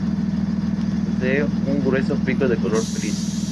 Posee un grueso pico de color gris.